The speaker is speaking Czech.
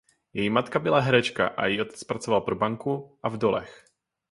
Její matka byla herečka a její otec pracoval pro banku a v dolech.